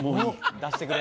・出してくれ・